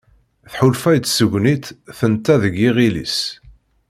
Tḥulfa i tseggnit tenta deg yiɣil-is.